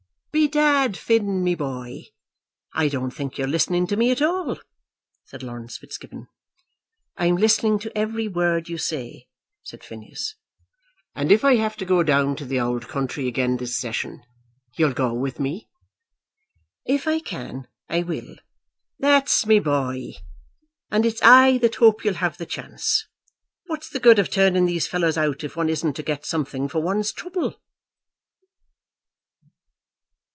"Bedad, Phin, my boy, I don't think you're listening to me at all," said Laurence Fitzgibbon. "I'm listening to every word you say," said Phineas. "And if I have to go down to the ould country again this session, you'll go with me?" "If I can I will." "That's my boy! And it's I that hope you'll have the chance. What's the good of turning these fellows out if one isn't to get something for one's trouble?"